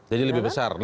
jadi lebih besar